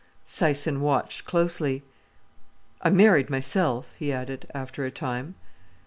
Syson watched closely. "I'm married myself," he added, after a time.